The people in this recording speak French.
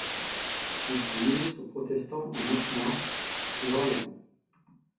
Il fut ministre protestant à Marchenoir et Orléans.